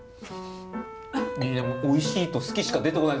でもおいしいと好きしか出てこない。